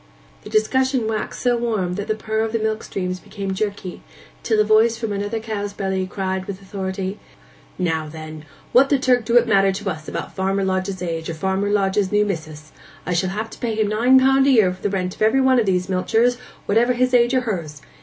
The discussion waxed so warm that the purr of the milk streams became jerky, till a voice from another cow's belly cried with authority, 'Now then, what the Turk do it matter to us about Farmer Lodge's age, or Farmer Lodge's new mis'ess? I shall have to pay him nine pound a year for the rent of every one of these milchers, whatever his age or hers.